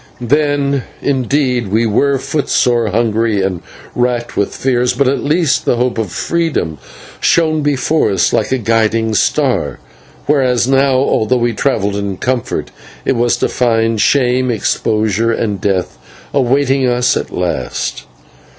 Then, indeed, we were footsore, hungry, and racked with fears, but at least the hope of freedom shone before us like a guiding star, whereas now, although we travelled in comfort, it was to find shame, exposure, and death awaiting us at last.